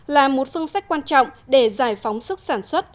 là một phương sách quan trọng để giải phóng sức sản xuất